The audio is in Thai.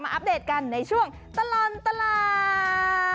อัปเดตกันในช่วงตลอดตลาด